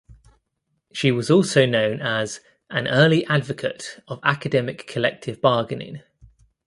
She was also known as "an early advocate of academic collective bargaining".